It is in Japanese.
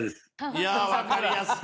い筺分かりやすい。